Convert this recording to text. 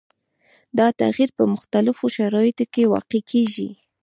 دا تغیر په مختلفو شرایطو کې واقع کیږي.